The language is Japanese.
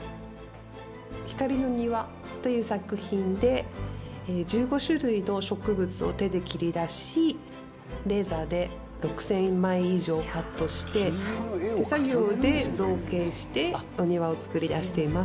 「ひかりの庭」という作品で、１５種類の植物を手で切り出し、レーザーで６０００枚以上カットして、手作業で造形して、お庭を作り出しています。